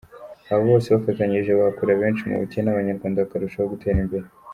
Aba bose bafatanyije bakura benshi mu bukene, abanyarwanda bakarushaho gutera imbere.